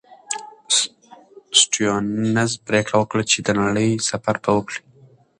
سټيونز پرېکړه وکړه چې د نړۍ سفر به وکړي.